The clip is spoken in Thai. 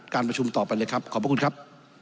ประชุมต่อไปเลยครับขอบพระคุณครับ